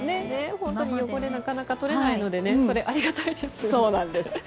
本当に汚れがなかなか取れないのでありがたいです。